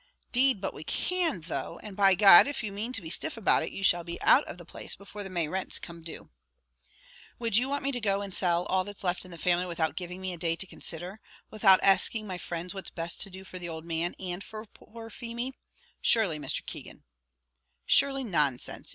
"'Deed but we can though; and, by G d, if you mean to be stiff about it, you shall be out of the place before the May rents become due." "Would you want me to go and sell all that's left in the family, without giving me a day to consider? without asking my friends what's best to do for the old man, and for poor Feemy? Surely, Mr. Keegan " "Surely, nonsense.